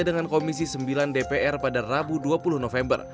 dengan komisi sembilan dpr pada rabu dua puluh november